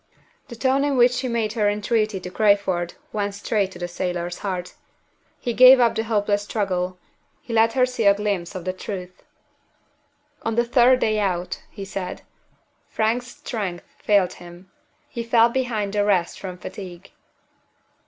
The tone in which she made her entreaty to Crayford went straight to the sailor's heart. He gave up the hopeless struggle: he let her see a glimpse of the truth. "On the third day out," he said, "Frank's strength failed him. He fell behind the rest from fatigue."